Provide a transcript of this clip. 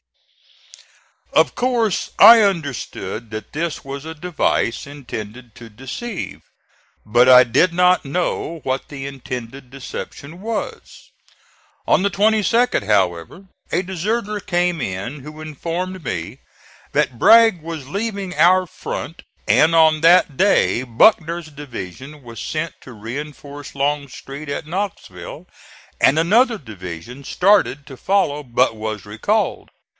Of course, I understood that this was a device intended to deceive; but I did not know what the intended deception was. On the 22d, however, a deserter came in who informed me that Bragg was leaving our front, and on that day Buckner's division was sent to reinforce Longstreet at Knoxville, and another division started to follow but was recalled.